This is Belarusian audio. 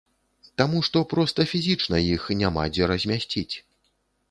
Таму што проста фізічна іх няма дзе размясціць.